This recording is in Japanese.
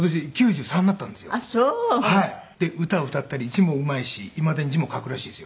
歌を歌ったり字もうまいしいまだに字も書くらしいですよ。